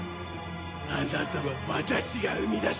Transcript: あなたは私が生み出した。